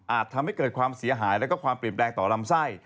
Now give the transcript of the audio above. ทำให้เกิดความเสียหายและความเปลี่ยนแปลงต่อลำไส้